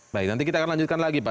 baik nanti kita akan lanjutkan lagi pak